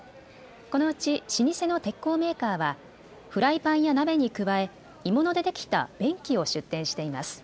このうち老舗の鉄工メーカーはフライパンや鍋に加え鋳物でできた便器を出展しています。